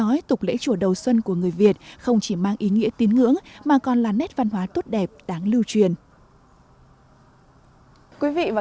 đi lễ đầu xuân không chỉ để cầu nguyện những điều tốt đẹp cho gia đình người thân bạn bè